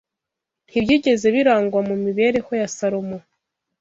ntibyigeze birangwa mu mibereho ya Salomo